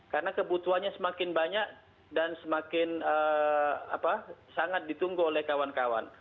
karena kebutuhannya semakin banyak dan semakin sangat ditunggu oleh kawan kawan